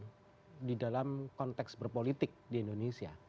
ada sebetulnya kelunturan kearifan di dalam konteks berpolitik di indonesia